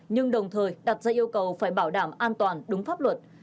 nhưng đồng thời đặt ra yêu cầu phải bảo đảm an toàn đúng pháp luật